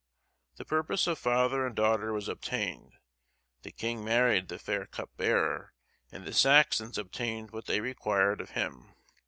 The purpose of father and daughter was obtained; the king married the fair cup bearer, and the Saxons obtained what they required of him.